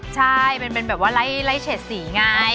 ใช่เป็นแบบว่าไล่เฉดสีไง